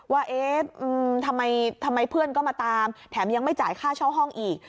ว่าเอ๊ะทำไมเพื่อนก็มาตามแถมยังไม่จ่ายค่าเช่าห้องอีก